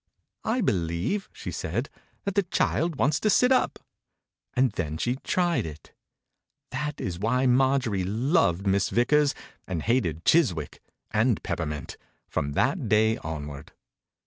«I believe," she said, "that the child wants to sit up," and then she tried it. That is why Marjorie loved Miss Vickers and hated Chiswick — and pepper mint — from that day onward.